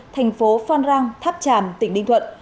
thành phố phan rang tháp tràm tỉnh đinh thuận